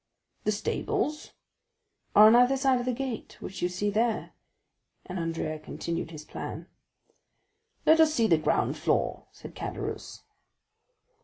"The stables?" "Are on either side of the gate, which you see there." And Andrea continued his plan. "Let us see the ground floor," said Caderousse.